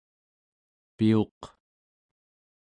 piuq